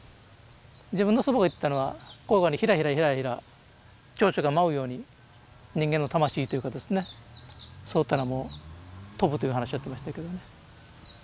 自分の祖母が言ってたのはこういうふうにひらひらひらひら蝶々が舞うように人間の魂というかですねそういったのも飛ぶという話をやってましたけどね。